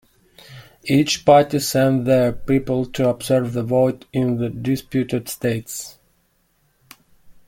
Each party sent their people to observe the vote in the disputed states.